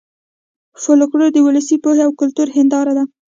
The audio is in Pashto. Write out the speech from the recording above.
فولکلور د ولسي پوهې او کلتور هېنداره ده